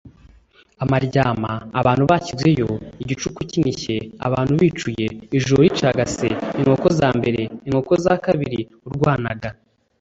AMARYAMA, ABANTU BASHYIZWEYO, IGICUKU KINISHYE, ABANTU BICUYE, IJORO RICAGASE, INKOKO ZA MBERE, INKONKO ZA KABIRI, URWANAGA,